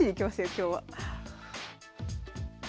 今日は。